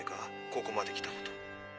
ここまで来たこと。